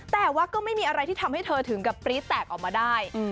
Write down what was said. แต่ว่าก็ไม่มีอะไรที่ทำให้เธอถึงกับปรี๊ดแตกออกมาได้